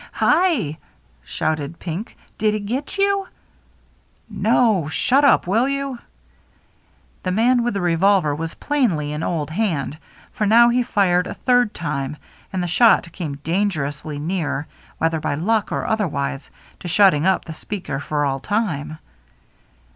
" Hi !" shouted Pink, " did he get you ?"« No. Shut up, will you ?" The man with the revolver was plainly an old hand, for now he fired a third time ; and the shot came dangerously near, whether by luck or otherwise, to shutting up the speaker for all time.